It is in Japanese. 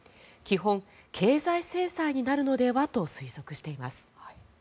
基本、経済制裁になるのではと推測しています。